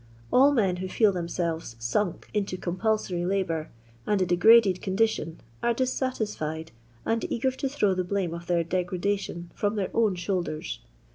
All men who feel them selves sunk into compulsory labour and a degraded condition are dissatimd, and eager to throw the blame of their degradation from their own shoulders.